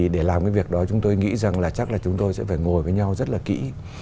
để làm cái việc đó chúng tôi nghĩ rằng là chắc là chúng tôi sẽ phải ngồi với nhau rất là kỹ